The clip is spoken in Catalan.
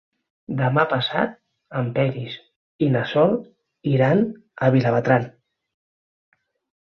Demà passat en Peris i na Sol iran a Vilabertran.